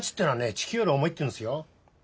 地球より重いっていうんすよ。